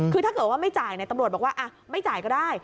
คือถ้าเกิดว่าไม่จ่ายตำรวจบอกว่าไม่จ่ายก็ได้